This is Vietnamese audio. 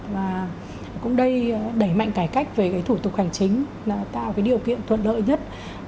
và cũng đây đẩy mạnh cải cách về cái thủ tục hành chính là tạo cái điều kiện thuận lợi nhất